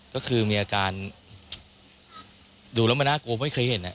ก็คือมีอาการดูแล้วมันน่ากลัวไม่เคยเห็น